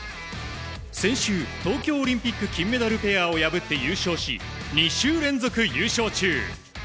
先週、東京オリンピック金メダルペアを破って優勝し、２週連続優勝中。